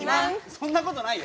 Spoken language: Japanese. そんなことないよ。